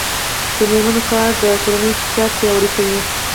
د میرمنو کار د کورنۍ اقتصاد پیاوړی کوي.